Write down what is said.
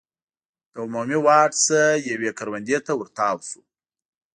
له عمومي واټ نه یوې کروندې ته ور تاو شو.